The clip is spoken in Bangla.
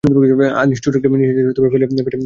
আনিস ছোট্ট একটি নিঃশ্বাস ফেলে উঠে পড়ল।